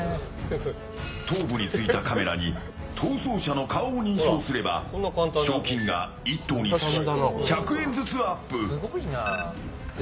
頭部についたカメラに逃走者の顔を認証すれば賞金が１頭につき１００円ずつアップ。